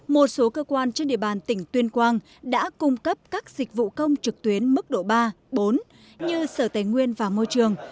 một số cơ quan trên địa bàn tỉnh tuyên quang đã cung cấp các dịch vụ công trực tuyến mức độ ba bốn như sở tài nguyên và môi trường